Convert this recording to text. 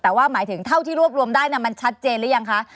แต่ว่าหมายถึงเท่าที่รวบรวมได้มันชัดเจนหรือยังคะ